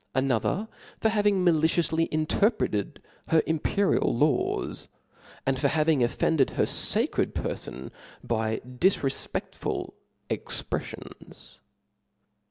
other, for having malicioufly interpreted her impe^ rial laws, and for having offended her facred per fon by difrefpeiftful expreffions.